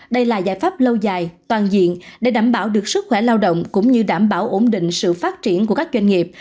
đây là giải pháp lâu dài toàn diện để đảm bảo được sức khỏe lao động cũng như đảm bảo ổn định sự phát triển của các doanh nghiệp